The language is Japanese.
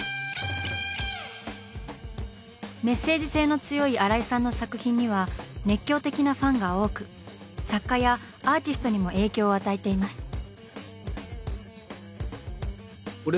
メッセージ性の強い新井さんの作品には熱狂的なファンが多く作家やアーティストにも影響を与えています。